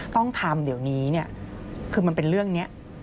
ต้องทำเดี๋ยวนี้เนี่ยคือมันเป็นเรื่องนี้